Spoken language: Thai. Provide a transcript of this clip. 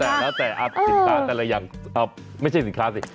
แต่แล้วแต่สินค้าแต่ละอย่างไม่ใช่สินค้าสิ